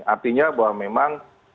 artinya bahwa memang